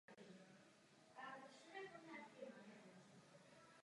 Viďte, je krásná?